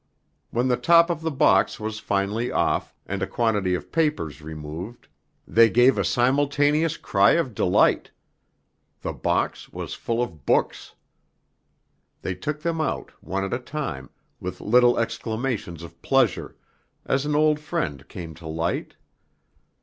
When the top of the box was finally off, and a quantity of papers removed, they gave a simultaneous cry of delight. The box was full of books. They took them out, one at a time, with little exclamations of pleasure, as an old friend came to light.